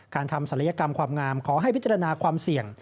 ทำศัลยกรรมความงามขอให้พิจารณาความเสี่ยง